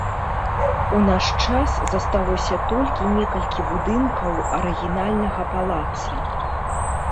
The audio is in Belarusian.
У наш час засталося толькі некалькі будынкаў арыгінальнага палаца.